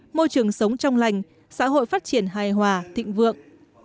môi trường sống trong lành xã hội phát triển hài hòa thịnh vượng